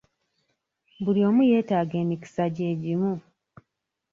Buli omu yeetaga emikisa gye gimu.